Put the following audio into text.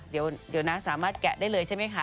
เดี๋ยวนะสามารถแกะได้เลยใช่ไหมคะ